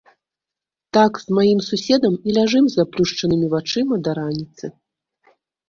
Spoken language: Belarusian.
Так з маім суседам і ляжым з заплюшчанымі вачыма да раніцы.